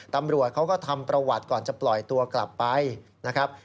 ตำรวจเขาก็ทำประวัติก่อนจะปล่อยตัวกลับไปนะครับ